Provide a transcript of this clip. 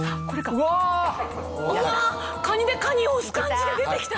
うわっカニでカニを押す感じで出て来た。